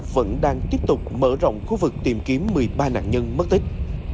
vẫn đang tiếp tục mở rộng khu vực tìm kiếm một mươi ba nạn nhân mất tích